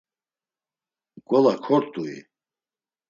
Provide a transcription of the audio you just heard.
Gola kort̆ui?